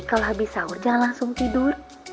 kalau habis sahur jangan langsung tidur